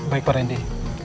baik pak randy